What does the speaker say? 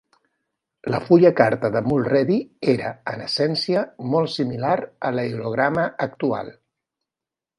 La fulla carta de Mulready era, en essència, molt similar a l'aerograma actual.